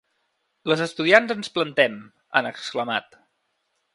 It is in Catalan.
“Les estudiants ens plantem”, han exclamat.